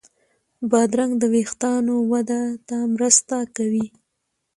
بادرنګ د وېښتانو وده ته مرسته کوي.